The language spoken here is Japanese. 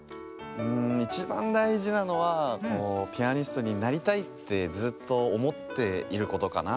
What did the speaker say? いちばんだいじなのはピアニストになりたいってずっとおもっていることかな。